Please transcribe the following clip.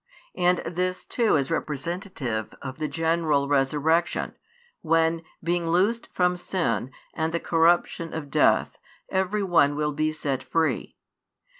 And this too is representative of the general resurrection, when, being loosed from sin and the corruption of death, every one will be set free.